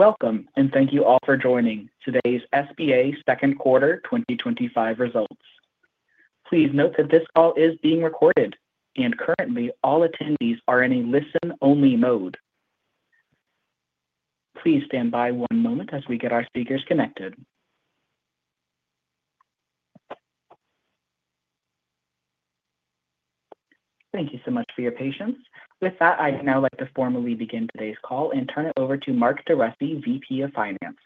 Welcome, and thank you all for joining today's SBA second quarter 2025 results. Please note that this call is being recorded, and currently all attendees are in a listen-only mode. Please stand by one moment as we get our speakers connected. Thank you so much for your patience. With that, I'd now like to formally begin today's call and turn it over to Mark DeRussy, VP of Finance.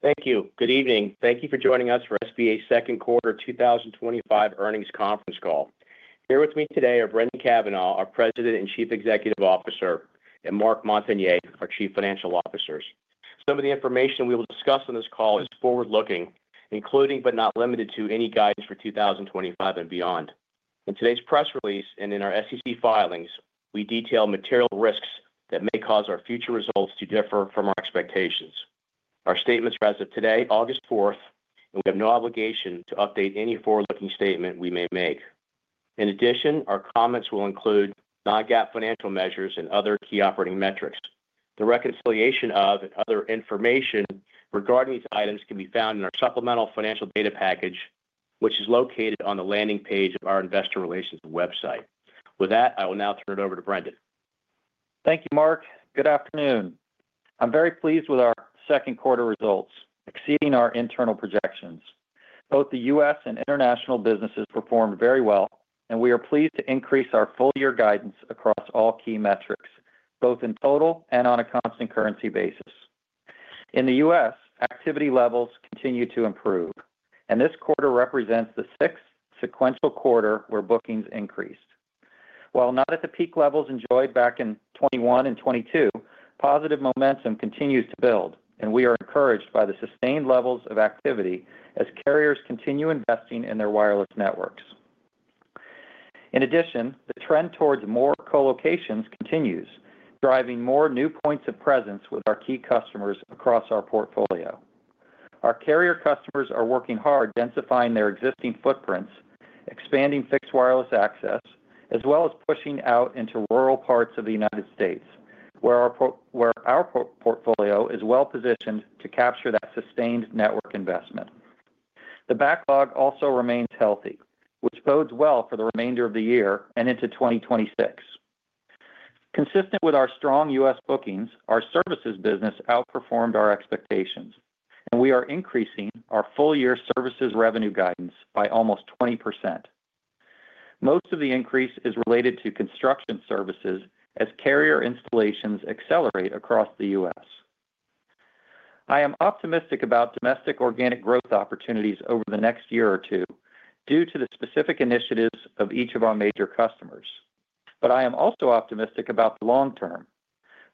Thank you. Good evening. Thank you for joining us for SBA second quarter 2025 earnings conference call. Here with me today are Brendan Cavanagh, our President and Chief Executive Officer, and Marc Montagner, our Chief Financial Officer. Some of the information we will discuss on this call is forward-looking, including but not limited to any guidance for 2025 and beyond. In today's press release and in our SEC filings, we detail material risks that may cause our future results to differ from our expectations. Our statements are as of today, August 4th, and we have no obligation to update any forward-looking statement we may make. In addition, our comments will include non-GAAP financial measures and other key operating metrics. The reconciliation of and other information regarding these items can be found in our supplemental financial data package, which is located on the landing page of our investor relations website. With that, I will now turn it over to Brendan. Thank you, Mark. Good afternoon. I'm very pleased with our second quarter results, exceeding our internal projections. Both the U.S. and international businesses performed very well, and we are pleased to increase our full-year guidance across all key metrics, both in total and on a constant currency basis. In the U.S., activity levels continue to improve, and this quarter represents the sixth sequential quarter where bookings increased. While not at the peak levels enjoyed back in 2021 and 2022, positive momentum continues to build, and we are encouraged by the sustained levels of activity as carriers continue investing in their wireless networks. In addition, the trend towards more colocations continues, driving more new points of presence with our key customers across our portfolio. Our carrier customers are working hard densifying their existing footprints, expanding fixed wireless access, as well as pushing out into rural parts of the United States, where our portfolio is well positioned to capture that sustained network investment. The backlog also remains healthy, which bodes well for the remainder of the year and into 2026. Consistent with our strong U.S. bookings, our services business outperformed our expectations, and we are increasing our full-year services revenue guidance by almost 20%. Most of the increase is related to construction services as carrier installations accelerate across the U.S. I am optimistic about domestic organic growth opportunities over the next year or two due to the specific initiatives of each of our major customers, but I am also optimistic about the long term.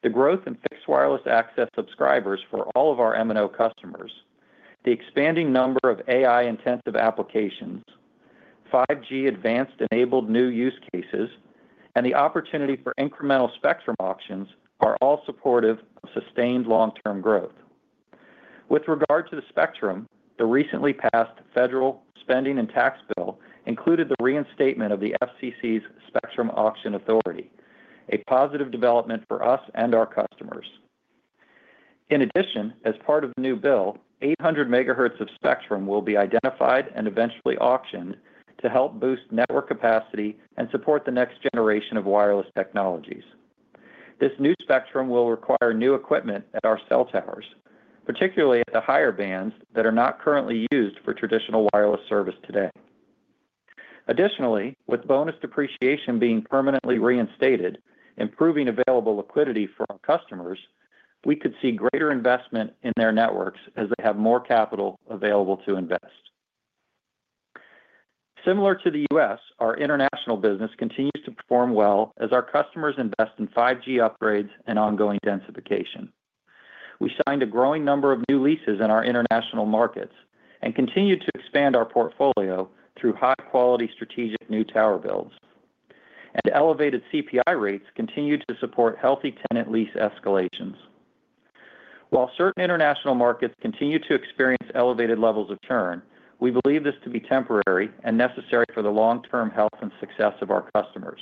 The growth in fixed wireless access subscribers for all of our MNO customers, the expanding number of AI-intensive applications, 5G Advanced-enabled new use cases, and the opportunity for incremental spectrum auctions are all supportive of sustained long-term growth. With regard to the spectrum, the recently passed federal spending and tax bill included the reinstatement of the FCC's spectrum auction authority, a positive development for us and our customers. In addition, as part of the new bill, 800 megahertz of spectrum will be identified and eventually auctioned to help boost network capacity and support the next generation of wireless technologies. This new spectrum will require new equipment at our cell towers, particularly at the higher bands that are not currently used for traditional wireless service today. Additionally, with bonus depreciation being permanently reinstated, improving available liquidity for our customers, we could see greater investment in their networks as they have more capital available to invest. Similar to the U.S., our international business continues to perform well as our customers invest in 5G upgrades and ongoing densification. We signed a growing number of new leases in our international markets and continue to expand our portfolio through high-quality strategic new tower builds, and elevated CPI rates continue to support healthy tenant lease escalations. While certain international markets continue to experience elevated levels of churn, we believe this to be temporary and necessary for the long-term health and success of our customers.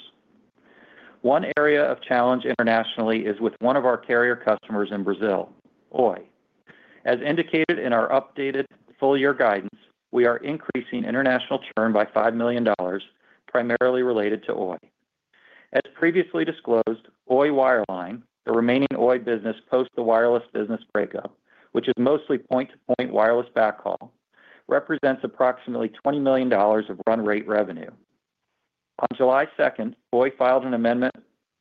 One area of challenge internationally is with one of our carrier customers in Brazil, Oi. As indicated in our updated full-year guidance, we are increasing international churn by $5 million, primarily related to Oi. As previously disclosed, Oi Wireline, the remaining Oi business post the wireless business breakup, which is mostly point-to-point wireless backhaul, represents approximately $20 million of run rate revenue. On July 2nd, Oi filed an amendment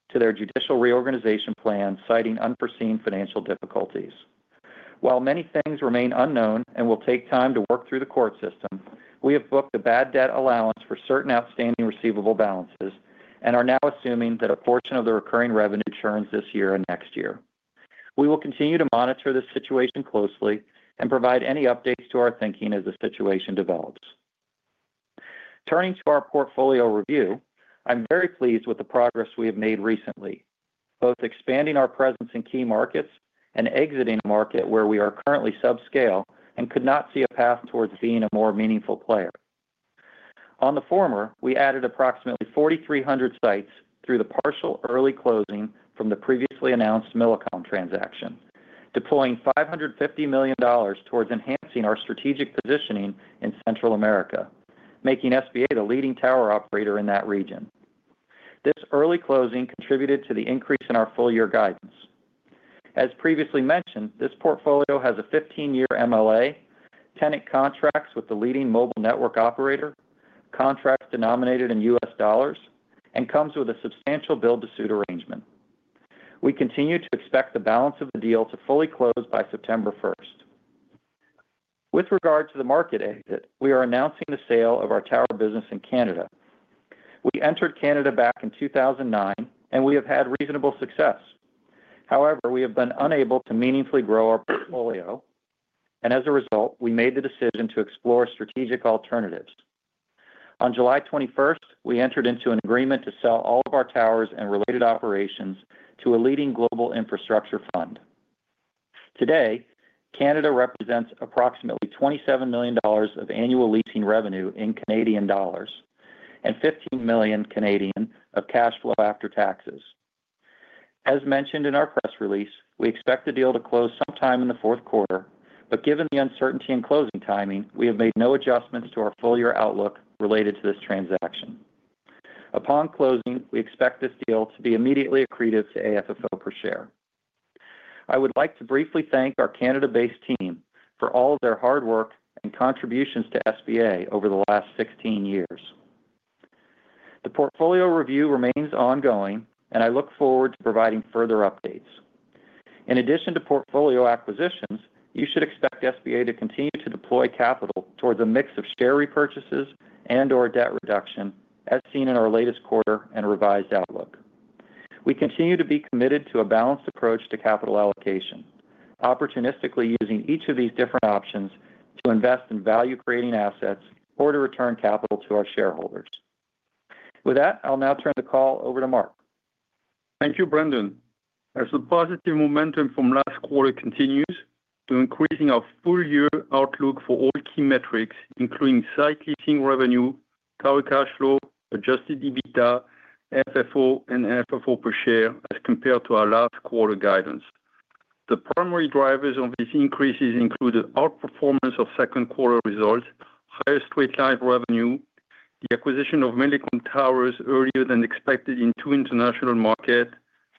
to their judicial reorganization plan citing unforeseen financial difficulties. While many things remain unknown and will take time to work through the court system, we have booked a bad debt allowance for certain outstanding receivable balances and are now assuming that a portion of the recurring revenue churns this year and next year. We will continue to monitor this situation closely and provide any updates to our thinking as the situation develops. Turning to our portfolio review, I'm very pleased with the progress we have made recently, both expanding our presence in key markets and exiting a market where we are currently subscale and could not see a path towards being a more meaningful player. On the former, we added approximately 4,300 sites through the partial early closing from the previously announced Millicom transaction, deploying $550 million towards enhancing our strategic positioning in Central America, making SBA the leading tower operator in that region. This early closing contributed to the increase in our full-year guidance. As previously mentioned, this portfolio has a 15-year MLA, tenant contracts with the leading mobile network operator, contracts denominated in U.S. dollars, and comes with a substantial build-to-suit arrangement. We continue to expect the balance of the deal to fully close by September 1st. With regard to the market exit, we are announcing the sale of our tower business in Canada. We entered Canada back in 2009, and we have had reasonable success. However, we have been unable to meaningfully grow our portfolio, and as a result, we made the decision to explore strategic alternatives. On July 21st, we entered into an agreement to sell all of our towers and related operations to a leading global infrastructure fund. Today, Canada represents approximately 27 million dollars of annual leasing revenue in Canadian dollars and 15 million of cash flow after taxes. As mentioned in our press release, we expect the deal to close sometime in the fourth quarter, but given the uncertainty in closing timing, we have made no adjustments to our full-year outlook related to this transaction. Upon closing, we expect this deal to be immediately accretive to AFFO per share. I would like to briefly thank our Canada-based team for all of their hard work and contributions to SBA over the last 16 years. The portfolio review remains ongoing, and I look forward to providing further updates. In addition to portfolio acquisitions, you should expect SBA to continue to deploy capital towards a mix of share repurchases and/or debt reduction, as seen in our latest quarter and revised outlook. We continue to be committed to a balanced approach to capital allocation, opportunistically using each of these different options to invest in value-creating assets or to return capital to our shareholders. With that, I'll now turn the call over to Marc. Thank you, Brendan. As the positive momentum from last quarter continues to increasing our full-year outlook for all key metrics, including site leasing revenue, Tower Cash Flow, Adjusted EBITDA, FFO, and AFFO per share as compared to our last quarter guidance, the primary drivers of these increases include the outperformance of second quarter results, higher straight-line revenue, the acquisition of Millicom towers earlier than expected in two international markets,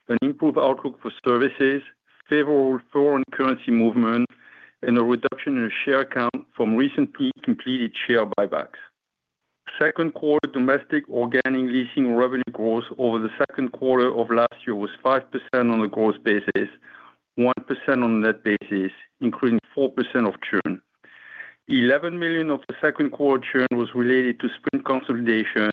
an improved outlook for services, favorable foreign currency movement, and a reduction in share count from recently completed share buybacks. Second quarter domestic organic leasing revenue growth over the second quarter of last year was 5% on a gross basis, 1% on a net basis, including 4% of churn. $11 million of the second quarter churn was related to Sprint consolidation,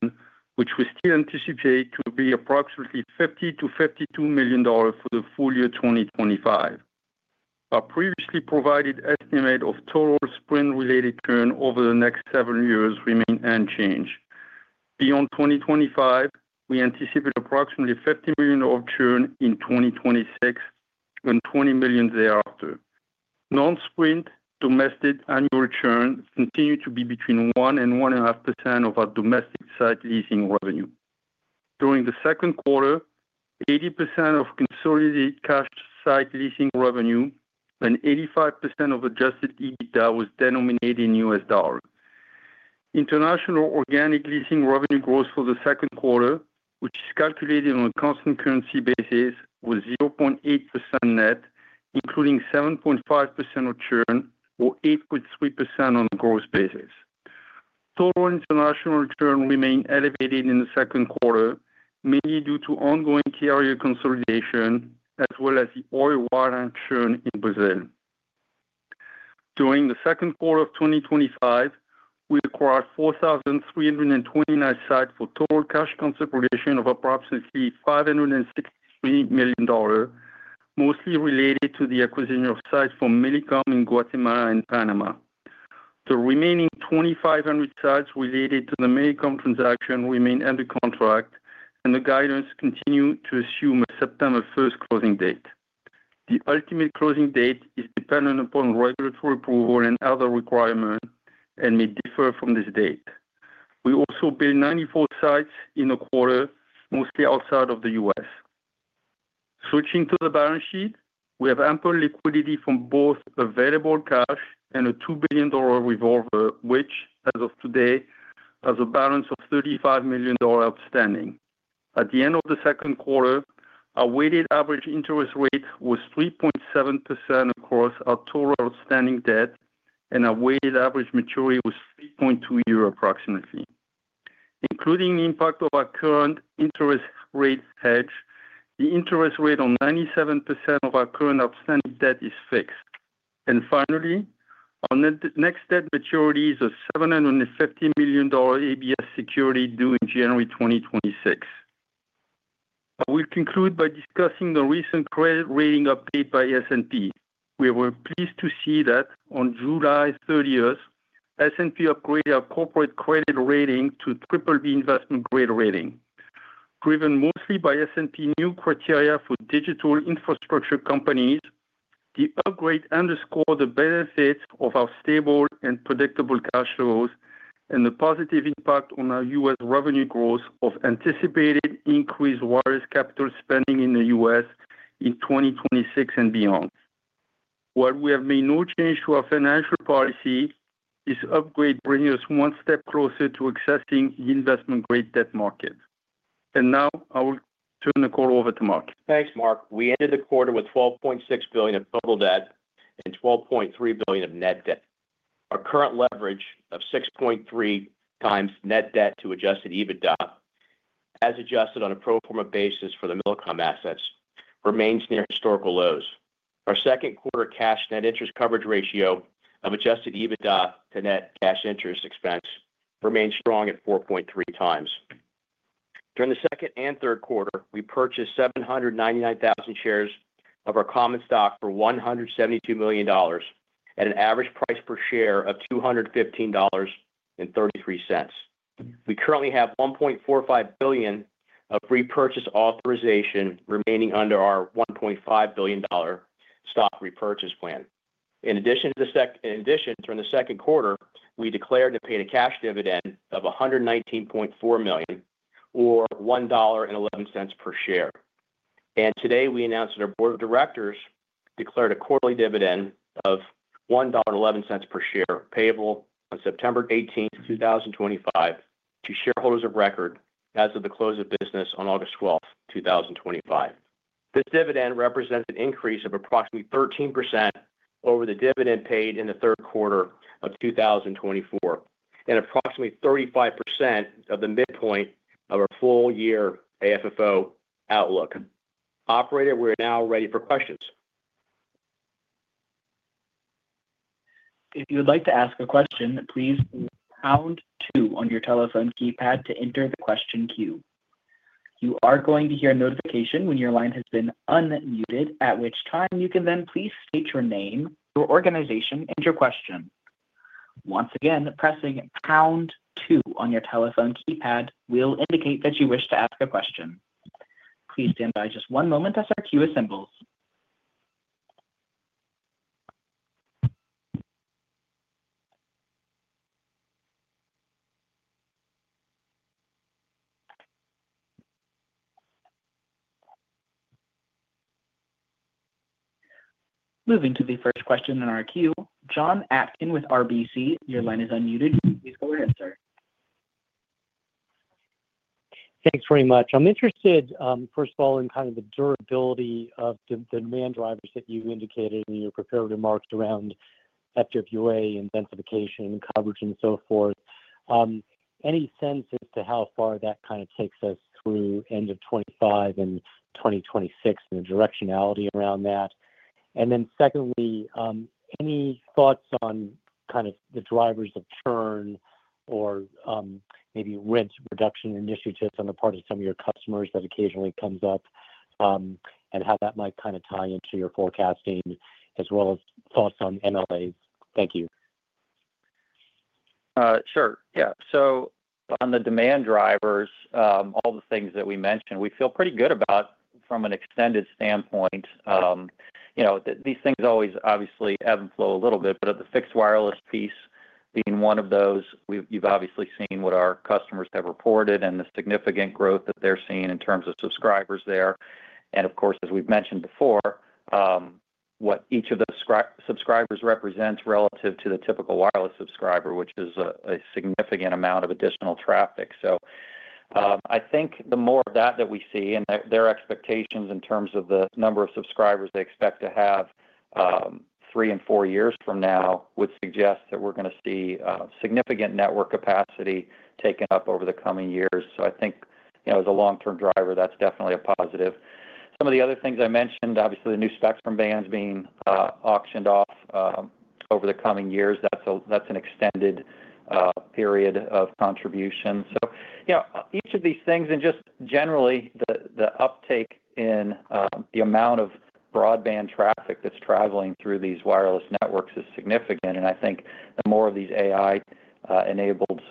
which we still anticipate to be approximately $50-$52 million for the full year 2025. Our previously provided estimate of total Sprint-related churn over the next seven years remains unchanged. Beyond 2025, we anticipate approximately $50 million of churn in 2026 and $20 million thereafter. Non-Sprint domestic annual churn continued to be between 1 and 1.5% of our domestic site leasing revenue. During the second quarter, 80% of consolidated cash site leasing revenue and 85% of adjusted EBITDA was denominated in U.S. dollars. International organic leasing revenue growth for the second quarter, which is calculated on a constant currency basis, was 0.8% net, including 7.5% of churn or 8.3% on a gross basis. Total international churn remained elevated in the second quarter, mainly due to ongoing carrier consolidation as well as the Oi wireless churn in Brazil. During the second quarter of 2025, we acquired 4,329 sites for total cash consideration of approximately $563 million, mostly related to the acquisition of sites from Millicom in Guatemala and Panama. The remaining 2,500 sites related to the Millicom transaction remain under contract, and the guidance continues to assume a September 1st closing date. The ultimate closing date is dependent upon regulatory approval and other requirements and may differ from this date. We also built 94 sites in the quarter, mostly outside of the U.S. Switching to the balance sheet, we have ample liquidity from both available cash and a $2 billion revolver, which, as of today, has a balance of $35 million outstanding. At the end of the second quarter, our weighted average interest rate was 3.7% across our total outstanding debt, and our weighted average maturity was 3.2 years, approximately. Including the impact of our current interest rate hedge, the interest rate on 97% of our current outstanding debt is fixed. And finally, our next debt maturity is a $750 million ABS security due in January 2026. I will conclude by discussing the recent credit rating update by S&P. We were pleased to see that on July 30th, S&P upgraded our corporate credit rating to BBB investment grade rating. Driven mostly by S&P's new criteria for digital infrastructure companies, the upgrade underscored the benefits of our stable and predictable cash flows and the positive impact on our U.S. revenue growth of anticipated increased wireless capital spending in the U.S. in 2026 and beyond. While we have made no change to our financial policy, this upgrade brings us one step closer to accessing the investment-grade debt market. And now I will turn the call over to Mark. Thanks, Marc. We ended the quarter with $12.6 billion of total debt and $12.3 billion of net debt. Our current leverage of 6.3 times net debt to adjusted EBITDA, as adjusted on a pro forma basis for the Millicom assets, remains near historical lows. Our second quarter cash-net interest coverage ratio of adjusted EBITDA to net cash interest expense remains strong at 4.3 times. During the second and third quarter, we purchased 799,000 shares of our common stock for $172 million at an average price per share of $215.33. We currently have $1.45 billion of repurchase authorization remaining under our $1.5 billion stock repurchase plan. In addition, during the second quarter, we declared and paid a cash dividend of $119.4 million, or $1.11 per share. Today, we announced that our board of directors declared a quarterly dividend of $1.11 per share payable on September 18th, 2025, to shareholders of record as of the close of business on August 12th, 2025. This dividend represents an increase of approximately 13% over the dividend paid in the third quarter of 2024 and approximately 35% of the midpoint of our full-year AFFO outlook. Operator, we're now ready for questions. If you'd like to ask a question, please press *2 on your telephone keypad to enter the question queue. You are going to hear a notification when your line has been unmuted, at which time you can then please state your name, your organization, and your question. Once again, pressing #2 on your telephone keypad will indicate that you wish to ask a question. Please stand by just one moment as our queue assembles. Moving to the first question in our queue, Jon Atkin with RBC, your line is unmuted. Please go ahead, sir. Thanks very much. I'm interested, first of all, in kind of the durability of the demand drivers that you indicated in your prepared remarks around FWA and densification and coverage and so forth. Any sense as to how far that kind of takes us through end of 2025 and 2026 and the directionality around that? And then secondly, any thoughts on kind of the drivers of churn or maybe rent reduction initiatives on the part of some of your customers that occasionally comes up and how that might kind of tie into your forecasting, as well as thoughts on MLAs? Thank you. Sure. Yeah. So on the demand drivers, all the things that we mentioned, we feel pretty good about from an extended standpoint. These things always, obviously, ebb and flow a little bit, but at the fixed wireless piece being one of those, you've obviously seen what our customers have reported and the significant growth that they're seeing in terms of subscribers there, and of course, as we've mentioned before, what each of those subscribers represents relative to the typical wireless subscriber, which is a significant amount of additional traffic, so I think the more of that that we see and their expectations in terms of the number of subscribers they expect to have three and four years from now would suggest that we're going to see significant network capacity taken up over the coming years, so I think as a long-term driver, that's definitely a positive. Some of the other things I mentioned, obviously, the new spectrum bands being auctioned off over the coming years, that's an extended period of contribution, so each of these things and just generally, the uptake in the amount of broadband traffic that's traveling through these wireless networks is significant, and I think the more of these AI-enabled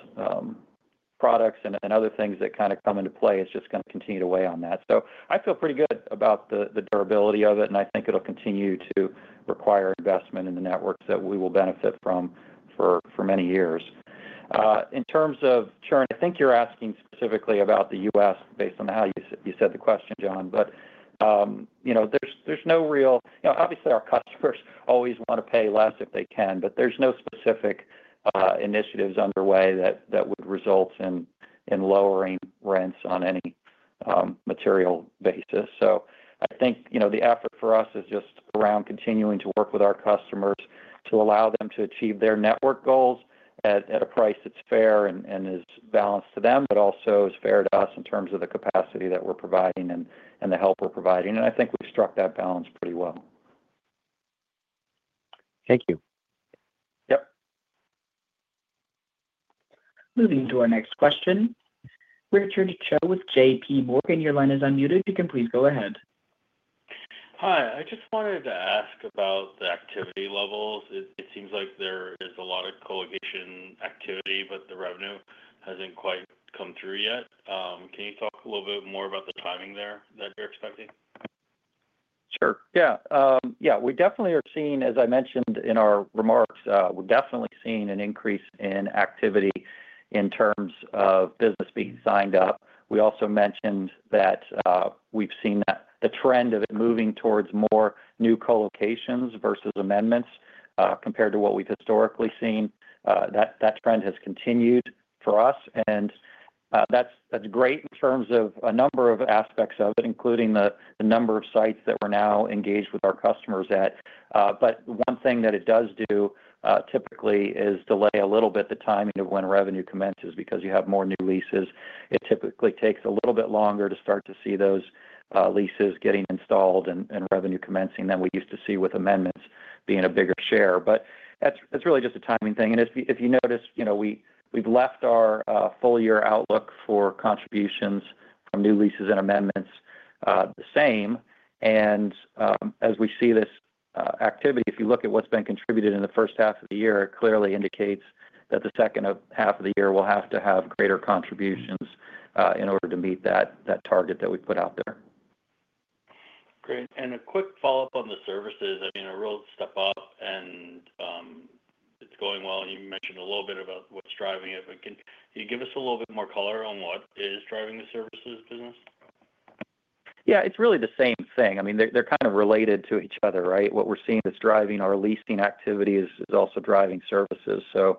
products and other things that kind of come into play, it's just going to continue to weigh on that, so I feel pretty good about the durability of it, and I think it'll continue to require investment in the networks that we will benefit from for many years. In terms of churn, I think you're asking specifically about the U.S. Based on how you said the question, Jon, but there's no real obviously, our customers always want to pay less if they can, but there's no specific initiatives underway that would result in lowering rents on any material basis. So I think the effort for us is just around continuing to work with our customers to allow them to achieve their network goals at a price that's fair and is balanced to them, but also is fair to us in terms of the capacity that we're providing and the help we're providing. And I think we've struck that balance pretty well. Thank you. Yep. Moving to our next question. Richard Choe with JP Morgan, your line is unmuted. You can please go ahead. Hi. I just wanted to ask about the activity levels. It seems like there is a lot of colocation activity, but the revenue hasn't quite come through yet. Can you talk a little bit more about the timing there that you're expecting? Sure. Yeah. We definitely are seeing, as I mentioned in our remarks, we're definitely seeing an increase in activity in terms of business being signed up. We also mentioned that we've seen the trend of it moving towards more new collocations versus amendments compared to what we've historically seen. That trend has continued for us, and that's great in terms of a number of aspects of it, including the number of sites that we're now engaged with our customers at. But one thing that it does do typically is delay a little bit the timing of when revenue commences because you have more new leases. It typically takes a little bit longer to start to see those leases getting installed and revenue commencing than we used to see with amendments being a bigger share. But that's really just a timing thing. If you notice, we've left our full-year outlook for contributions from new leases and amendments the same. As we see this activity, if you look at what's been contributed in the first half of the year, it clearly indicates that the second half of the year we'll have to have greater contributions in order to meet that target that we put out there. Great. And a quick follow-up on the services. I mean, I noted a step up, and it's going well. And you mentioned a little bit about what's driving it, but can you give us a little bit more color on what is driving the services business? Yeah. It's really the same thing. I mean, they're kind of related to each other, right? What we're seeing that's driving our leasing activity is also driving services. So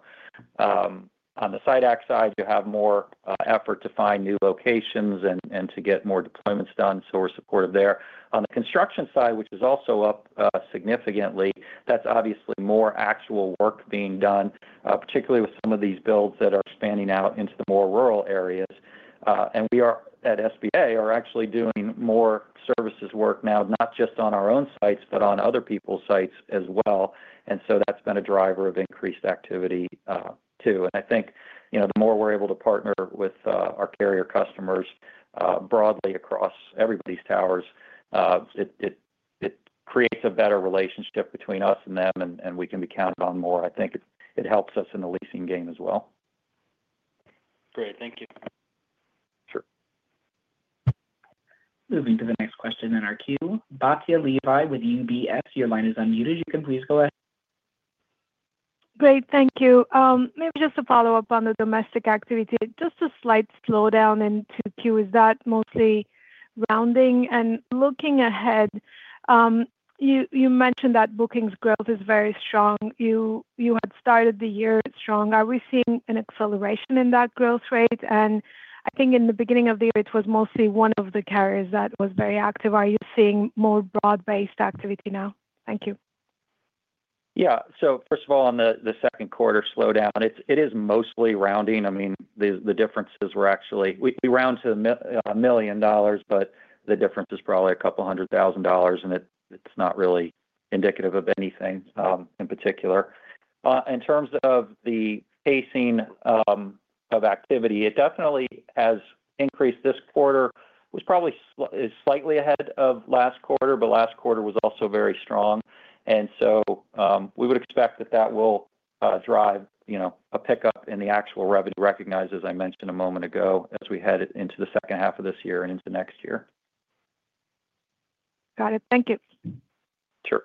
on the site acquisition side, you have more effort to find new locations and to get more deployments done. So we're supportive there. On the construction side, which is also up significantly, that's obviously more actual work being done, particularly with some of these builds that are expanding out into the more rural areas. And we at SBA are actually doing more services work now, not just on our own sites, but on other people's sites as well. And so that's been a driver of increased activity too. And I think the more we're able to partner with our carrier customers broadly across everybody's towers, it creates a better relationship between us and them, and we can be counted on more. I think it helps us in the leasing game as well. Great. Thank you. Sure. Moving to the next question in our queue, Batya Levi with UBS, your line is unmuted. You can please go ahead. Great. Thank you. Maybe just to follow up on the domestic activity, just a slight slowdown in the queue. Is that mostly rounding? And looking ahead, you mentioned that bookings growth is very strong. You had started the year strong. Are we seeing an acceleration in that growth rate? And I think in the beginning of the year, it was mostly one of the carriers that was very active. Are you seeing more broad-based activity now? Thank you. Yeah, so first of all, on the second quarter slowdown, it is mostly rounding. I mean, the differences were actually we round to a million dollars, but the difference is probably a couple hundred thousand dollars, and it's not really indicative of anything in particular. In terms of the pacing of activity, it definitely has increased this quarter. It was probably slightly ahead of last quarter, but last quarter was also very strong, and so we would expect that that will drive a pickup in the actual revenue, recognized, as I mentioned a moment ago, as we head into the second half of this year and into next year. Got it. Thank you. Sure.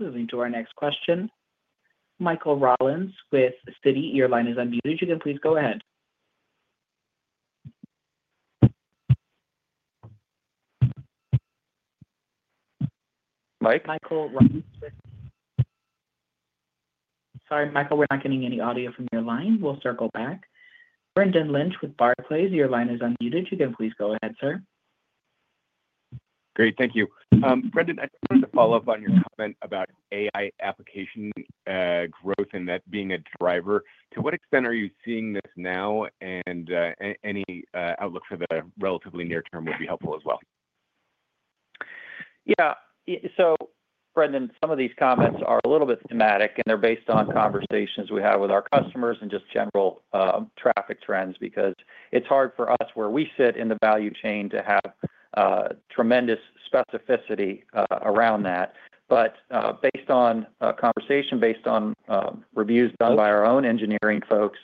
Moving to our next question, Michael Rollins with Citi, your line is unmuted. You can please go ahead. Mike? Michael Rollins with - sorry, Michael, we're not getting any audio from your line. We'll circle back. Brendan Lynch with Barclays, your line is unmuted. You can please go ahead, sir. Great. Thank you. Brendan, I just wanted to follow up on your comment about AI application growth and that being a driver. To what extent are you seeing this now? And any outlook for the relatively near term would be helpful as well. Yeah. So Brendan, some of these comments are a little bit thematic, and they're based on conversations we have with our customers and just general traffic trends because it's hard for us where we sit in the value chain to have tremendous specificity around that. But based on conversation, based on reviews done by our own engineering folks,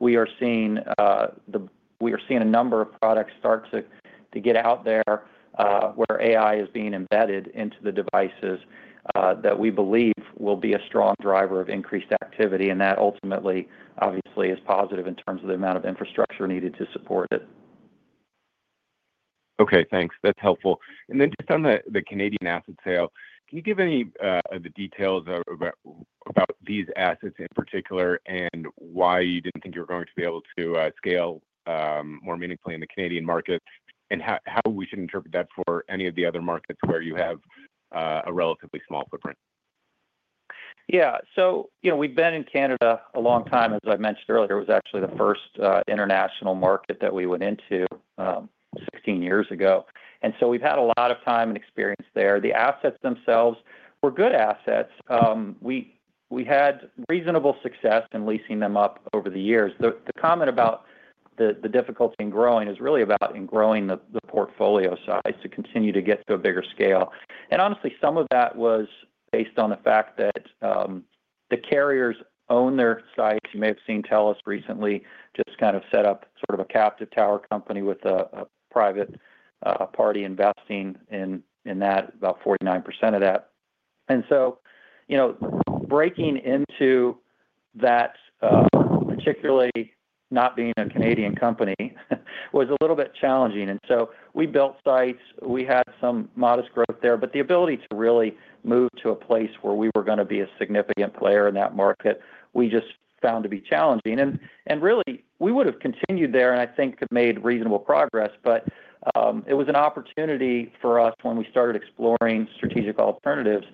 we are seeing a number of products start to get out there where AI is being embedded into the devices that we believe will be a strong driver of increased activity. And that ultimately, obviously, is positive in terms of the amount of infrastructure needed to support it. Okay. Thanks. That's helpful and then just on the Canadian asset sale, can you give any of the details about these assets in particular and why you didn't think you were going to be able to scale more meaningfully in the Canadian market and how we should interpret that for any of the other markets where you have a relatively small footprint? Yeah, so we've been in Canada a long time. As I mentioned earlier, it was actually the first international market that we went into 16 years ago, and so we've had a lot of time and experience there. The assets themselves were good assets. We had reasonable success in leasing them up over the years. The comment about the difficulty in growing is really about growing the portfolio size to continue to get to a bigger scale, and honestly, some of that was based on the fact that the carriers own their sites. You may have seen TELUS recently just kind of set up sort of a captive tower company with a private party investing in that, about 49% of that, and so breaking into that, particularly not being a Canadian company, was a little bit challenging, and so we built sites. We had some modest growth there, but the ability to really move to a place where we were going to be a significant player in that market, we just found to be challenging, and really, we would have continued there and I think made reasonable progress, but it was an opportunity for us when we started exploring strategic alternatives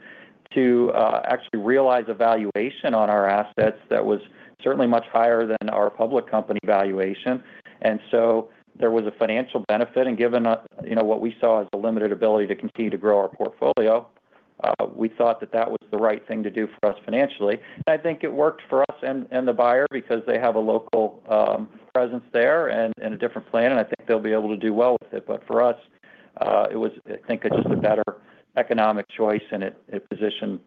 to actually realize a valuation on our assets that was certainly much higher than our public company valuation, and so there was a financial benefit, and given what we saw as a limited ability to continue to grow our portfolio, we thought that that was the right thing to do for us financially, and I think it worked for us and the buyer because they have a local presence there and a different plan, and I think they'll be able to do well with it. But for us, it was, I think, just a better economic choice, and it positioned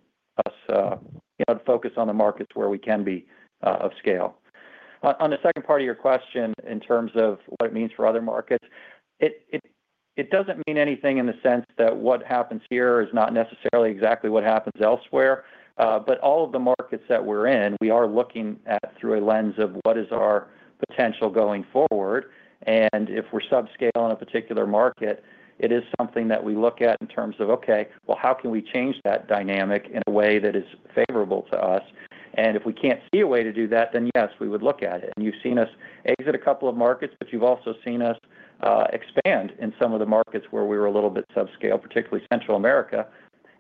us to focus on the markets where we can be of scale. On the second part of your question in terms of what it means for other markets, it doesn't mean anything in the sense that what happens here is not necessarily exactly what happens elsewhere. But all of the markets that we're in, we are looking at through a lens of what is our potential going forward. And if we're subscaling a particular market, it is something that we look at in terms of, okay, well, how can we change that dynamic in a way that is favorable to us? And if we can't see a way to do that, then yes, we would look at it. And you've seen us exit a couple of markets, but you've also seen us expand in some of the markets where we were a little bit subscaled, particularly Central America.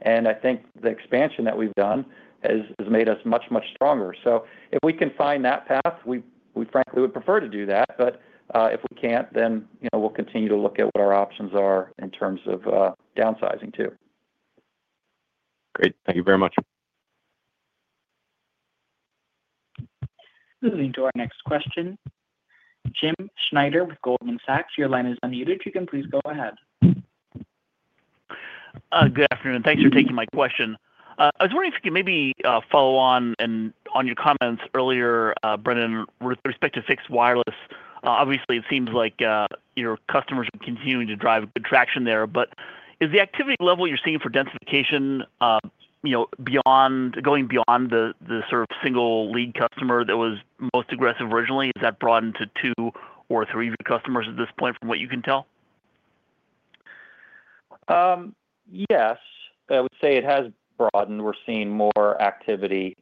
And I think the expansion that we've done has made us much, much stronger. So if we can find that path, we frankly would prefer to do that. But if we can't, then we'll continue to look at what our options are in terms of downsizing too. Great. Thank you very much. Moving to our next question, Jim Schneider with Goldman Sachs. Your line is unmuted. You can please go ahead. Good afternoon. Thanks for taking my question. I was wondering if you could maybe follow up on your comments earlier, Brendan, with respect to fixed wireless. Obviously, it seems like your customers are continuing to drive good traction there, but is the activity level you're seeing for densification going beyond the sort of single lead customer that was most aggressive originally? Has that broadened to two or three of your customers at this point from what you can tell? Yes. I would say it has broadened. We're seeing more activity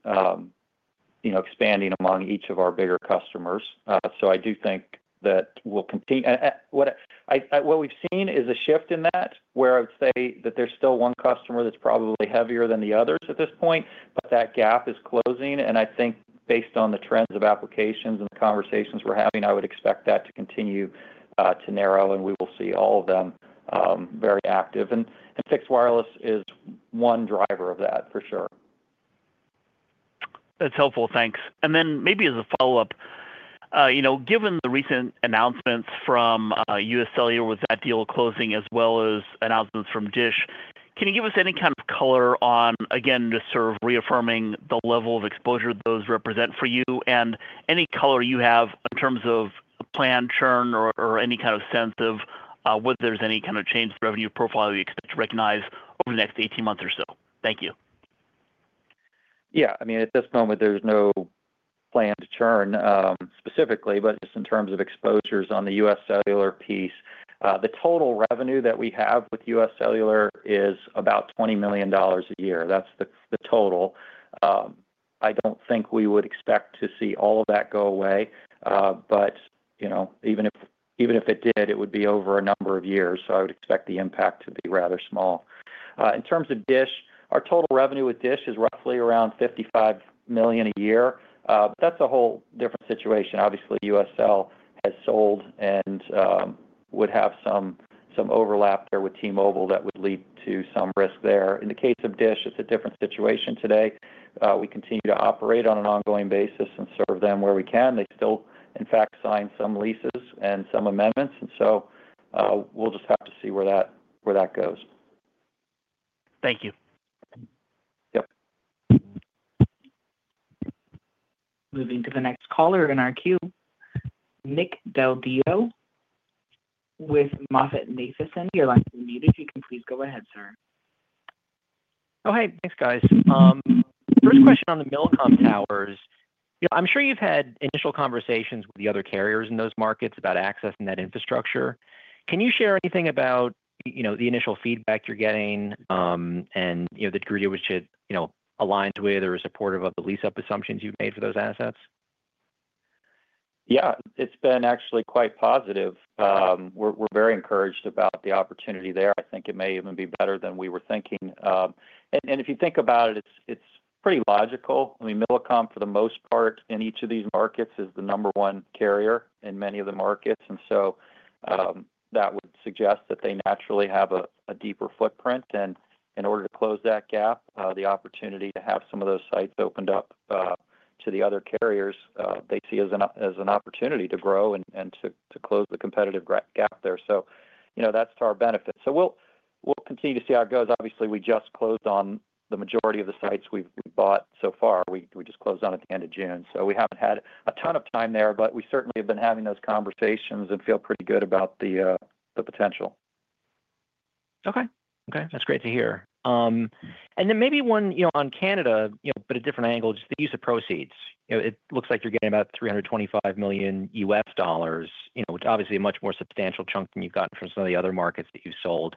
expanding among each of our bigger customers. So I do think that we'll continue. What we've seen is a shift in that where I would say that there's still one customer that's probably heavier than the others at this point, but that gap is closing, and I think based on the trends of applications and the conversations we're having, I would expect that to continue to narrow, and we will see all of them very active, and fixed wireless is one driver of that, for sure. That's helpful. Thanks. And then maybe as a follow-up, given the recent announcements from U.S. Cellular with that deal closing as well as announcements from DISH, can you give us any kind of color on, again, just sort of reaffirming the level of exposure those represent for you and any color you have in terms of planned churn or any kind of sense of whether there's any kind of change in revenue profile you expect to recognize over the next 18 months or so? Thank you. Yeah. I mean, at this moment, there's no planned churn specifically, but just in terms of exposures on the US Cellular piece, the total revenue that we have with US Cellular is about $20 million a year. That's the total. I don't think we would expect to see all of that go away, but even if it did, it would be over a number of years. So I would expect the impact to be rather small. In terms of DISH, our total revenue with DISH is roughly around $55 million a year. That's a whole different situation. Obviously, US Cellular has sold and would have some overlap there with T-Mobile that would lead to some risk there. In the case of DISH, it's a different situation today. We continue to operate on an ongoing basis and serve them where we can. They still, in fact, sign some leases and some amendments. And so we'll just have to see where that goes. Thank you. Yep. Moving to the next caller in our queue, Nick Del Deo with MoffettNathanson. Your line is unmuted. You can please go ahead, sir. Oh, hey. Thanks, guys. First question on the Millicom towers. I'm sure you've had initial conversations with the other carriers in those markets about access and that infrastructure. Can you share anything about the initial feedback you're getting and the degree to which it aligns with or is supportive of the lease-up assumptions you've made for those assets? Yeah. It's been actually quite positive. We're very encouraged about the opportunity there. I think it may even be better than we were thinking. And if you think about it, it's pretty logical. I mean, Millicom, for the most part, in each of these markets, is the number one carrier in many of the markets. And so that would suggest that they naturally have a deeper footprint. And in order to close that gap, the opportunity to have some of those sites opened up to the other carriers, they see as an opportunity to grow and to close the competitive gap there. So that's to our benefit. So we'll continue to see how it goes. Obviously, we just closed on the majority of the sites we've bought so far. We just closed on it at the end of June. We haven't had a ton of time there, but we certainly have been having those conversations and feel pretty good about the potential. Okay. Okay. That's great to hear. And then maybe one on Canada, but a different angle, just the use of proceeds. It looks like you're getting about $325 million, which is obviously a much more substantial chunk than you've gotten from some of the other markets that you've sold.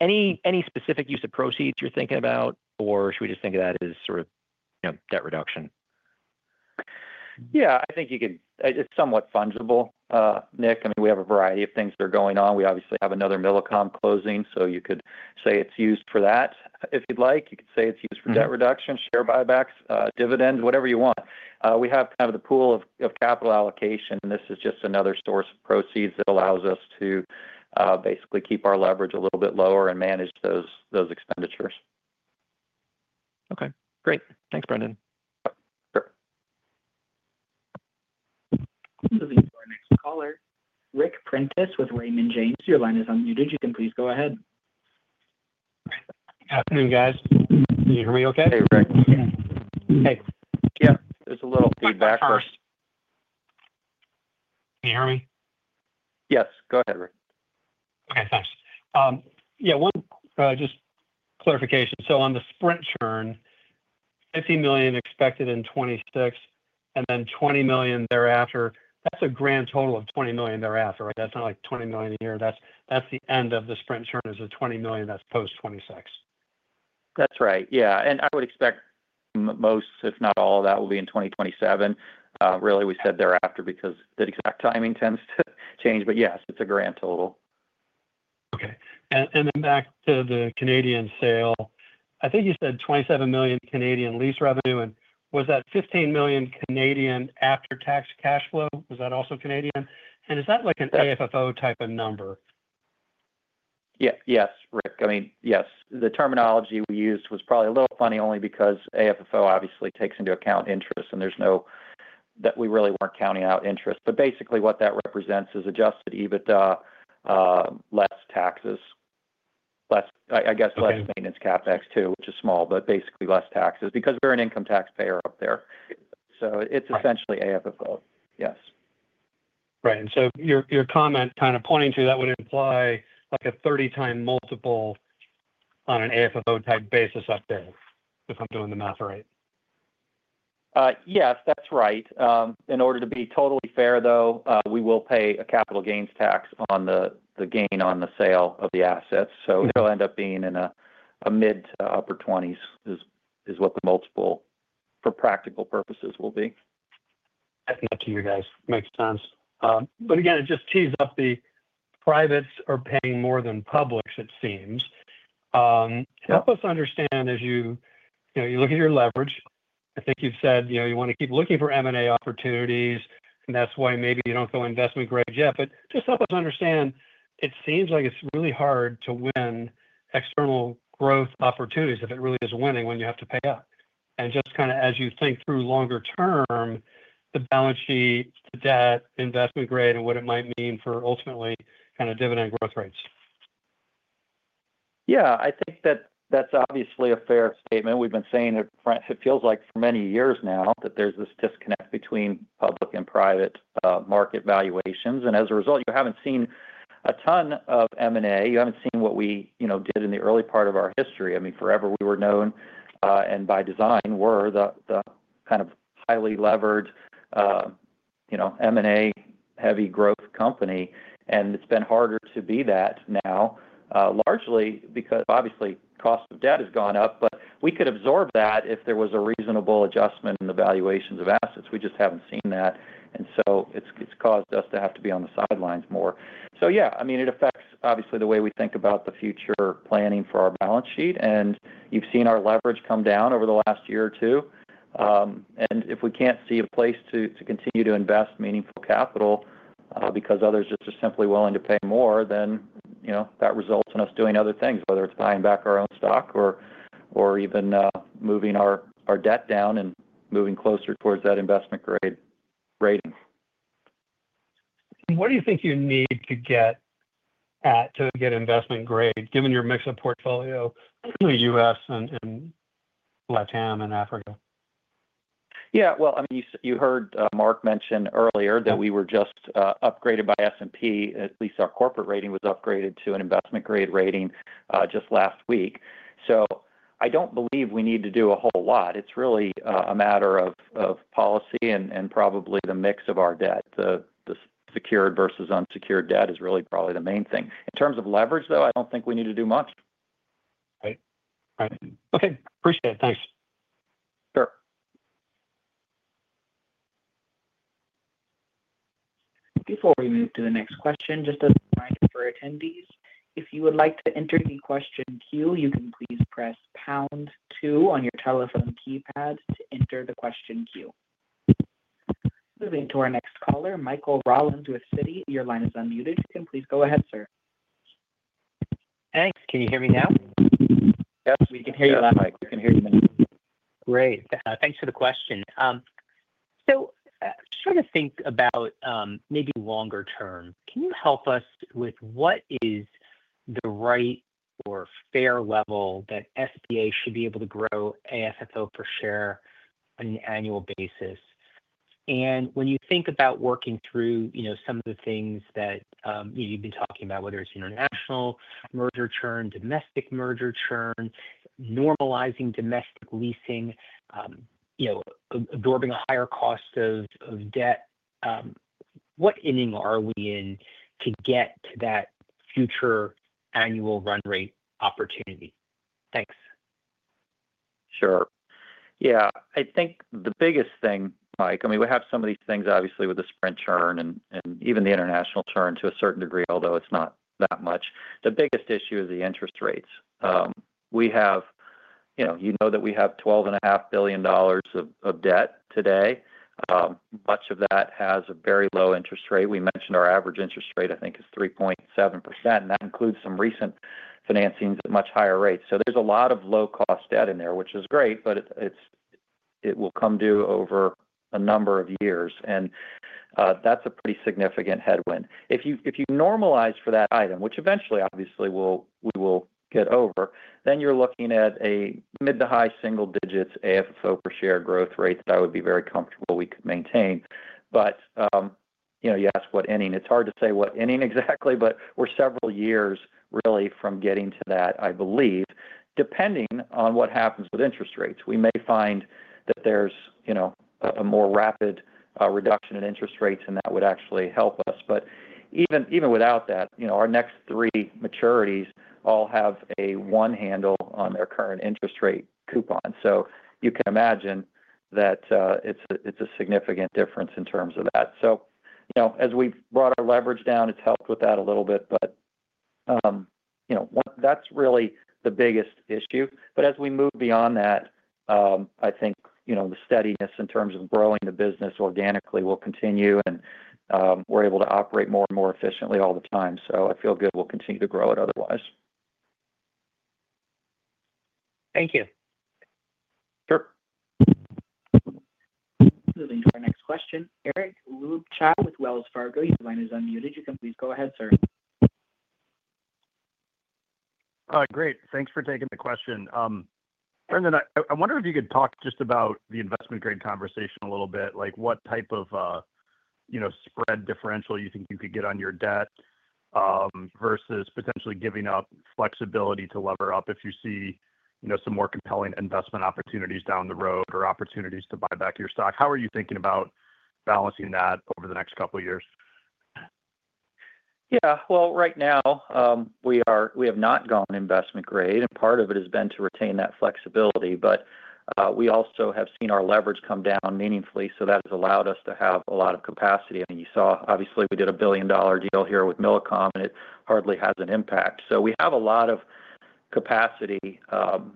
Any specific use of proceeds you're thinking about, or should we just think of that as sort of debt reduction? Yeah. I think you can, it's somewhat fungible, Nick. I mean, we have a variety of things that are going on. We obviously have another Millicom closing, so you could say it's used for that if you'd like. You could say it's used for debt reduction, share buybacks, dividends, whatever you want. We have kind of the pool of capital allocation, and this is just another source of proceeds that allows us to basically keep our leverage a little bit lower and manage those expenditures. Okay. Great. Thanks, Brendan. Sure. Moving to our next caller, Ric Prentiss with Raymond James. Your line is unmuted. You can please go ahead. Good afternoon, guys. Can you hear me okay? Hey, Ric Hey. Yeah. There's a little feedback first. Can you hear me? Yes. Go ahead, Ric. Okay. Thanks. Yeah. Just clarification. So on the Sprint churn, $50 million expected in 2026 and then $20 million thereafter, that's a grand total of $20 million thereafter, right? That's not like $20 million a year. That's the end of the Sprint churn is the $20 million that's post 2026. That's right. Yeah, and I would expect most, if not all of that, will be in 2027. Really, we said thereafter because the exact timing tends to change, but yes, it's a grand total. Okay. And then back to the Canadian sale, I think you said 27 million lease revenue. And was that 15 million after-tax cash flow? Was that also Canadian? And is that like an AFFO type of number? Yeah. Yes, Rick. I mean, yes. The terminology we used was probably a little funny only because AFFO obviously takes into account interest, and there's no, we really weren't counting out interest. But basically, what that represents is Adjusted EBITDA, less taxes, I guess, less Maintenance CapEx too, which is small, but basically less taxes because we're an income taxpayer up there. So it's essentially AFFO, yes. Right, and so your comment kind of pointing to that would imply like a 30-time multiple on an AFFO-type basis up there if I'm doing the math right. Yes, that's right. In order to be totally fair, though, we will pay a capital gains tax on the gain on the sale of the assets. So it'll end up being in a mid to upper 20s is what the multiple for practical purposes will be. Definitely up to you guys. Makes sense, but again, it just tees up the privates are paying more than publics, it seems. Help us understand as you look at your leverage. I think you've said you want to keep looking for M&A opportunities, and that's why maybe you don't go investment grade yet, but just help us understand, it seems like it's really hard to win external growth opportunities if it really is winning when you have to pay up, and just kind of as you think through longer term, the balance sheet, the debt, investment grade, and what it might mean for ultimately kind of dividend growth rates. Yeah. I think that that's obviously a fair statement. We've been saying it feels like for many years now that there's this disconnect between public and private market valuations. And as a result, you haven't seen a ton of M&A. You haven't seen what we did in the early part of our history. I mean, forever, we were known and by design were the kind of highly levered M&A-heavy growth company. And it's been harder to be that now largely because obviously cost of debt has gone up, but we could absorb that if there was a reasonable adjustment in the valuations of assets. We just haven't seen that. And so it's caused us to have to be on the sidelines more. So yeah, I mean, it affects obviously the way we think about the future planning for our balance sheet. You've seen our leverage come down over the last year or two. And if we can't see a place to continue to invest meaningful capital because others just are simply willing to pay more, then that results in us doing other things, whether it's buying back our own stock or even moving our debt down and moving closer towards that investment-grade rating. What do you think you need to get investment-grade given your mix of portfolio, U.S. and Latin and Africa? Yeah. Well, I mean, you heard Mark mention earlier that we were just upgraded by S&P. At least our corporate rating was upgraded to an investment-grade rating just last week. So I don't believe we need to do a whole lot. It's really a matter of policy and probably the mix of our debt. The secured versus unsecured debt is really probably the main thing. In terms of leverage, though, I don't think we need to do much. Right. Right. Okay. Appreciate it. Thanks. Sure. Before we move to the next question, just a reminder for attendees, if you would like to enter the question queue, you can please press pound two on your telephone keypad to enter the question queue. Moving to our next caller, Michael Rollins with Citi. Your line is unmuted. You can please go ahead, sir. Thanks. Can you hear me now? Yes. We can hear you loud. We can hear you now. Great. Thanks for the question. So sort of think about maybe longer term. Can you help us with what is the right or fair level that SBA should be able to grow AFFO per share on an annual basis? And when you think about working through some of the things that you've been talking about, whether it's international merger churn, domestic merger churn, normalizing domestic leasing, absorbing a higher cost of debt, what ending are we in to get to that future annual run rate opportunity? Thanks. Sure. Yeah. I think the biggest thing, Mike, I mean, we have some of these things obviously with the Sprint churn and even the international churn to a certain degree, although it's not that much. The biggest issue is the interest rates. We have, you know, that we have $12.5 billion of debt today. Much of that has a very low interest rate. We mentioned our average interest rate, I think, is 3.7%, and that includes some recent financings at much higher rates. So there's a lot of low-cost debt in there, which is great, but it will come due over a number of years. And that's a pretty significant headwind. If you normalize for that item, which eventually, obviously, we will get over, then you're looking at a mid- to high-single-digit AFFO per share growth rate that I would be very comfortable we could maintain. But you ask what ending. It's hard to say what ending exactly, but we're several years really from getting to that, I believe, depending on what happens with interest rates. We may find that there's a more rapid reduction in interest rates, and that would actually help us. But even without that, our next three maturities all have a one handle on their current interest rate coupon. So you can imagine that it's a significant difference in terms of that. So as we've brought our leverage down, it's helped with that a little bit, but that's really the biggest issue. But as we move beyond that, I think the steadiness in terms of growing the business organically will continue, and we're able to operate more and more efficiently all the time. So I feel good we'll continue to grow it otherwise. Thank you. Sure. Moving to our next question, Eric Luebchow with Wells Fargo. Your line is unmuted. You can please go ahead, sir. Great. Thanks for taking the question. Brendan, I wonder if you could talk just about the investment-grade conversation a little bit. What type of spread differential you think you could get on your debt versus potentially giving up flexibility to lever up if you see some more compelling investment opportunities down the road or opportunities to buy back your stock? How are you thinking about balancing that over the next couple of years? Yeah. Right now, we have not gone investment grade, and part of it has been to retain that flexibility. We also have seen our leverage come down meaningfully, so that has allowed us to have a lot of capacity. I mean, you saw, obviously, we did a $1 billion deal here with Millicom, and it hardly has an impact. We have a lot of capacity.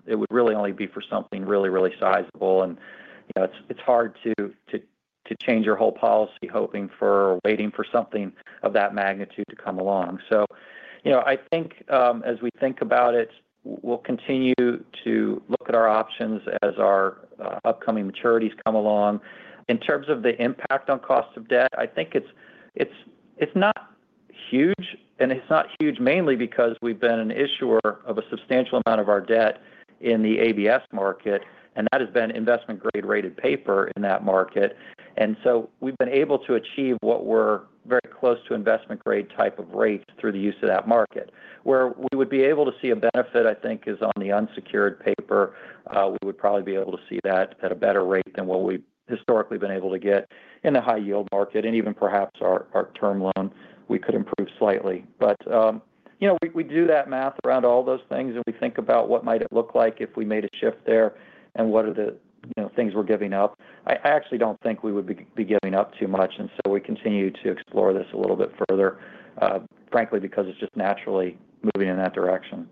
It would really only be for something really, really sizable. It's hard to change your whole policy hoping for or waiting for something of that magnitude to come along. I think as we think about it, we'll continue to look at our options as our upcoming maturities come along. In terms of the impact on cost of debt, I think it's not huge, and it's not huge mainly because we've been an issuer of a substantial amount of our debt in the ABS market, and that has been investment-grade rated paper in that market. And so we've been able to achieve what we're very close to investment-grade type of rates through the use of that market. Where we would be able to see a benefit, I think, is on the unsecured paper. We would probably be able to see that at a better rate than what we've historically been able to get in the high-yield market. And even perhaps our term loan, we could improve slightly. But we do that math around all those things, and we think about what might it look like if we made a shift there and what are the things we're giving up. I actually don't think we would be giving up too much, and so we continue to explore this a little bit further, frankly, because it's just naturally moving in that direction.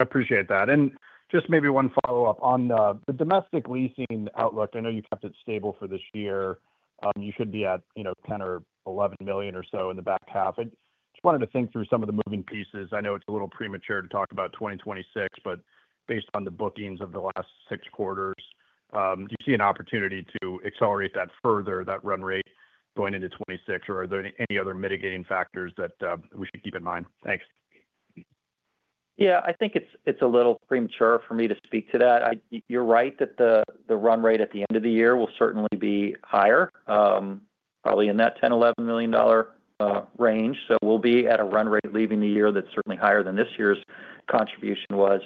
I appreciate that. And just maybe one follow-up on the domestic leasing outlook. I know you kept it stable for this year. You should be at $10 million or $11 million or so in the back half. I just wanted to think through some of the moving pieces. I know it's a little premature to talk about 2026, but based on the bookings of the last six quarters, do you see an opportunity to accelerate that further, that run rate going into 2026, or are there any other mitigating factors that we should keep in mind? Thanks. Yeah. I think it's a little premature for me to speak to that. You're right that the run rate at the end of the year will certainly be higher, probably in that $10-$11 million range. So we'll be at a run rate leaving the year that's certainly higher than this year's contribution was.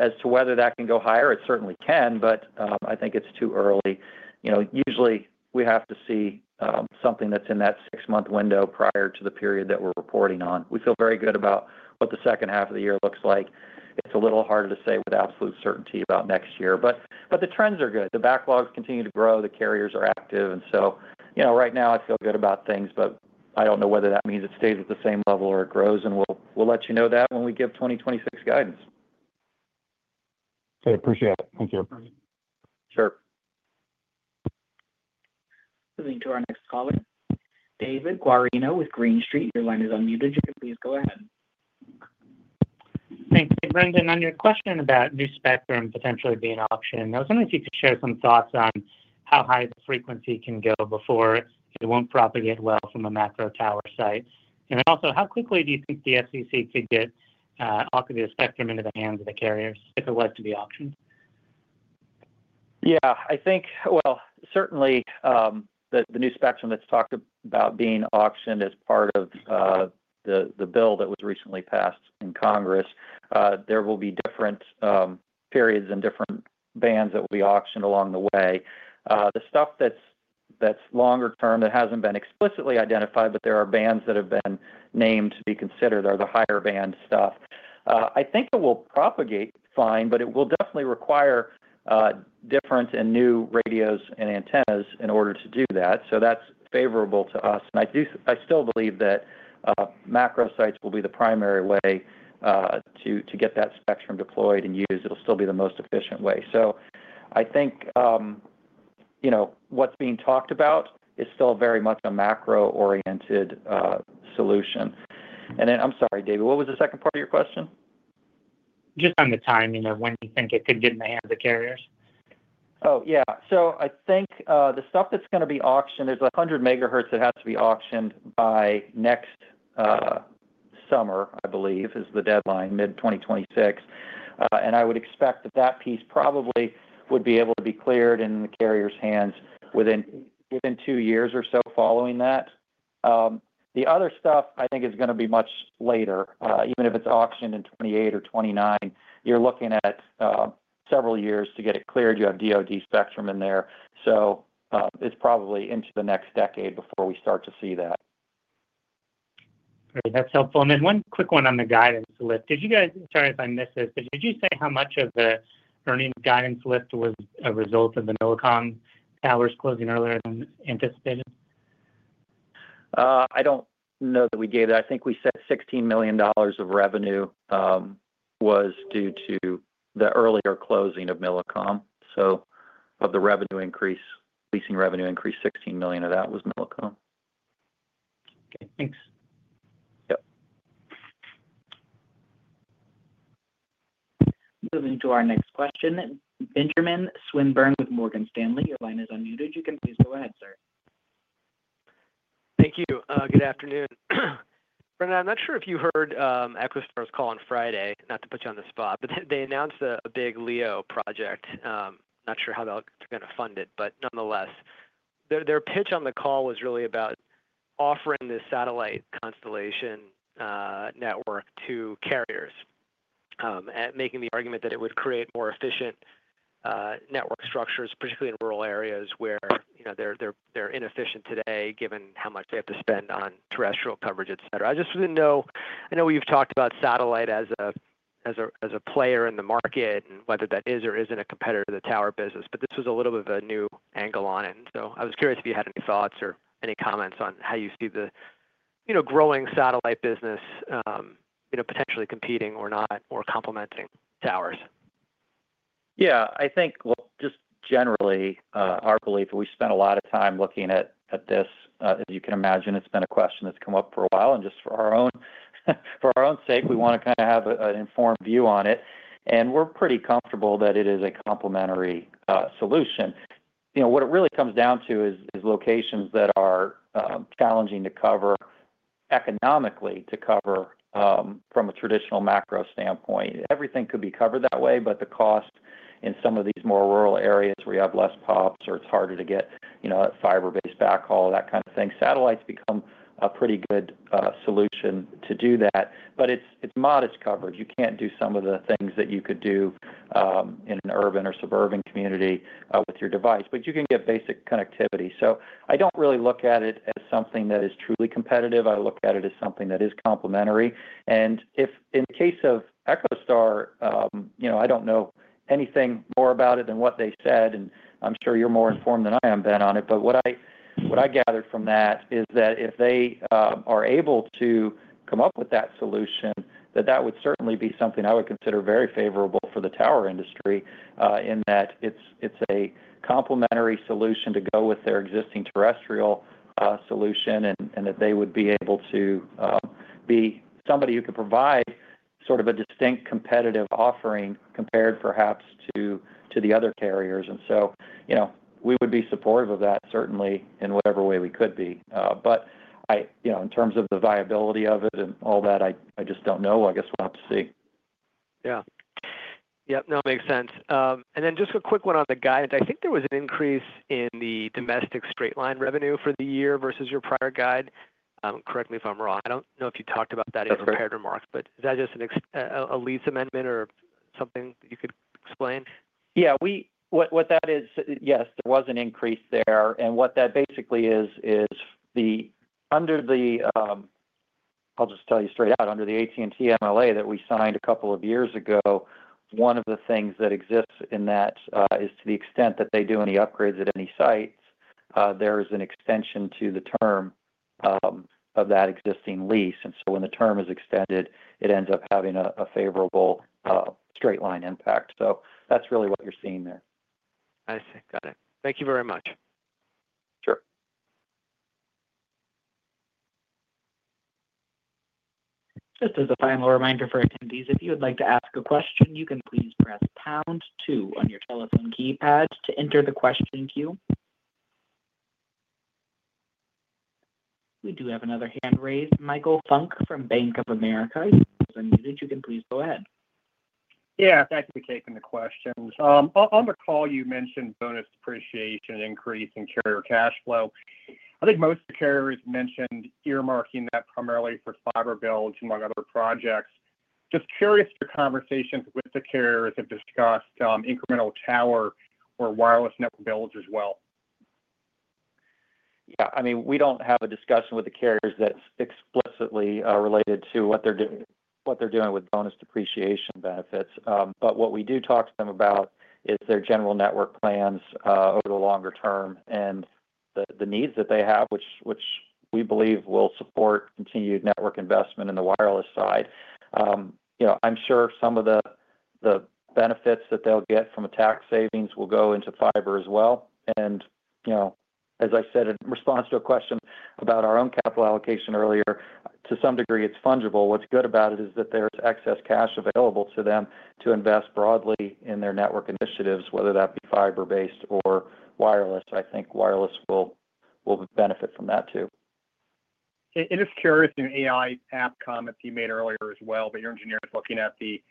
As to whether that can go higher, it certainly can, but I think it's too early. Usually, we have to see something that's in that six-month window prior to the period that we're reporting on. We feel very good about what the second half of the year looks like. It's a little harder to say with absolute certainty about next year. But the trends are good. The backlogs continue to grow. The carriers are active. And so right now, I feel good about things, but I don't know whether that means it stays at the same level or it grows. And we'll let you know that when we give 2026 guidance. I appreciate it. Thank you. Sure. Moving to our next caller, David Guarino with Green Street. Your line is unmuted. You can please go ahead. Thanks, Brendan. On your question about new spectrum potentially being an option, I was wondering if you could share some thoughts on how high the frequency can go before it won't propagate well from a macro tower site, and also, how quickly do you think the FCC could get all of the spectrum into the hands of the carriers if it was to be optioned? Yeah. I think, well, certainly, the new spectrum that's talked about being auctioned as part of the bill that was recently passed in Congress. There will be different periods and different bands that we auction along the way. The stuff that's longer term that hasn't been explicitly identified, but there are bands that have been named to be considered, are the higher band stuff. I think it will propagate fine, but it will definitely require different and new radios and antennas in order to do that. So that's favorable to us. And I still believe that macro sites will be the primary way to get that spectrum deployed and used. It'll still be the most efficient way. So I think what's being talked about is still very much a macro-oriented solution. And then I'm sorry, David, what was the second part of your question? Just on the timing of when you think it could get in the hands of carriers? Oh, yeah. So I think the stuff that's going to be auctioned, there's 100 megahertz that has to be auctioned by next summer, I believe, is the deadline, mid-2026. And I would expect that that piece probably would be able to be cleared in the carrier's hands within two years or so following that. The other stuff, I think, is going to be much later. Even if it's auctioned in 2028 or 2029, you're looking at several years to get it cleared. You have DOD spectrum in there. So it's probably into the next decade before we start to see that. Great. That's helpful. And then one quick one on the guidance lift. Sorry if I missed this. Did you say how much of the earnings guidance lift was a result of the Millicom towers closing earlier than anticipated? I don't know that we gave that. I think we said $16 million of revenue was due to the earlier closing of Millicom. So of the revenue increase, leasing revenue increase, $16 million of that was Millicom. Okay. Thanks. Yep. Moving to our next question, Benjamin Swinburne with Morgan Stanley. Your line is unmuted. You can please go ahead, sir. Thank you. Good afternoon. Brendan, I'm not sure if you heard EchoStar's call on Friday, not to put you on the spot, but they announced a big LEO project. I'm not sure how they're going to fund it, but nonetheless, their pitch on the call was really about offering the satellite constellation network to carriers and making the argument that it would create more efficient network structures, particularly in rural areas where they're inefficient today given how much they have to spend on terrestrial coverage, etc. I just didn't know. I know we've talked about satellite as a player in the market and whether that is or isn't a competitor to the tower business, but this was a little bit of a new angle on it. I was curious if you had any thoughts or any comments on how you see the growing satellite business potentially competing or not or complementing towers. Yeah. I think, well, just generally, our belief, we spent a lot of time looking at this. As you can imagine, it's been a question that's come up for a while. And just for our own sake, we want to kind of have an informed view on it. And we're pretty comfortable that it is a complementary solution. What it really comes down to is locations that are challenging to cover economically to cover from a traditional macro standpoint. Everything could be covered that way, but the cost in some of these more rural areas where you have less POPs or it's harder to get fiber-based backhaul, that kind of thing, satellites become a pretty good solution to do that. But it's modest coverage. You can't do some of the things that you could do in an urban or suburban community with your device, but you can get basic connectivity. So I don't really look at it as something that is truly competitive. I look at it as something that is complementary. And in the case of EchoStar, I don't know anything more about it than what they said. And I'm sure you're more informed than I am, Ben, on it. But what I gathered from that is that if they are able to come up with that solution, that that would certainly be something I would consider very favorable for the tower industry in that it's a complementary solution to go with their existing terrestrial solution and that they would be able to be somebody who could provide sort of a distinct competitive offering compared perhaps to the other carriers. And so we would be supportive of that, certainly, in whatever way we could be. In terms of the viability of it and all that, I just don't know. I guess we'll have to see. Yeah. Yep. No, makes sense. And then just a quick one on the guidance. I think there was an increase in the domestic straight-line revenue for the year versus your prior guide. Correct me if I'm wrong. I don't know if you talked about that in prepared remarks, but is that just a lease amendment or something that you could explain? Yeah. What that is, yes, there was an increase there. And what that basically is, is under the, I'll just tell you straight out, under the AT&T MLA that we signed a couple of years ago, one of the things that exists in that is to the extent that they do any upgrades at any sites, there is an extension to the term of that existing lease. And so when the term is extended, it ends up having a favorable straight-line impact. So that's really what you're seeing there. I see. Got it. Thank you very much. Sure. Just as a final reminder for attendees, if you would like to ask a question, you can please press pound two on your telephone keypad to enter the question queue. We do have another hand raised. Michael Funk from Bank of America, you are unmuted. You can please go ahead. Yeah. Thank you for taking the question. On the call, you mentioned bonus depreciation increase in carrier cash flow. I think most of the carriers mentioned earmarking that primarily for fiber builds among other projects. Just curious if your conversations with the carriers have discussed incremental tower or wireless network builds as well? Yeah. I mean, we don't have a discussion with the carriers that's explicitly related to what they're doing with bonus depreciation benefits. But what we do talk to them about is their general network plans over the longer term and the needs that they have, which we believe will support continued network investment in the wireless side. I'm sure some of the benefits that they'll get from a tax savings will go into fiber as well. And as I said in response to a question about our own capital allocation earlier, to some degree, it's fungible. What's good about it is that there's excess cash available to them to invest broadly in their network initiatives, whether that be fiber-based or wireless. I think wireless will benefit from that too. And just curious, an AI app comment that you made earlier as well, but your engineer is looking at the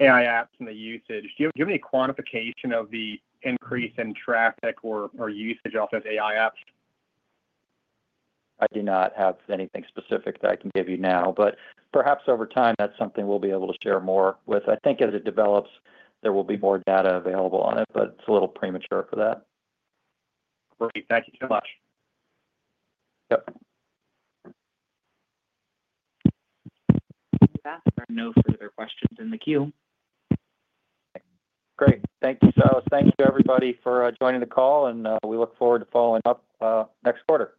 AI apps and the usage. Do you have any quantification of the increase in traffic or usage off those AI apps? I do not have anything specific that I can give you now, but perhaps over time, that's something we'll be able to share more with. I think as it develops, there will be more data available on it, but it's a little premature for that. Great. Thank you so much. Yep. We've got no further questions in the queue. Great. Thank you, Sos. Thank you to everybody for joining the call. And we look forward to following up next quarter.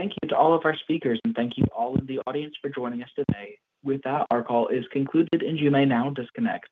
Thank you to all of our speakers. Thank you to all of the audience for joining us today. With that, our call is concluded, and you may now disconnect.